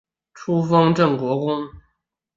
初封镇国公。